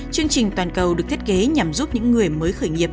chương trình toàn cầu được thiết kế nhằm giúp những người mới khởi nghiệp